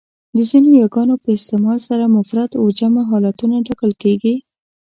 د ځینو یاګانو په استعمال سره مفرد و جمع حالتونه ټاکل کېږي.